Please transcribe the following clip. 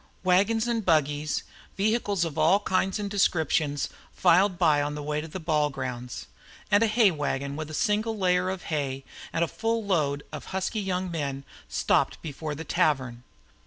Wagons and buggies, vehicles of all kinds and descriptions, filed by on the way to the ball grounds; and a hay wagon with a single layer of hay and a full load of husky young men, stopped before the tavern.